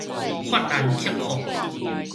法蘭克福